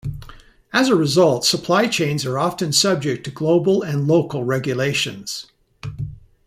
As a result, supply chains are often subject to global and local regulations.